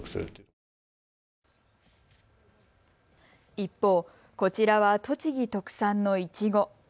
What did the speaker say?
一方、こちらは栃木特産のイチゴ。